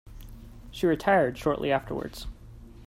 She retired shortly afterwards.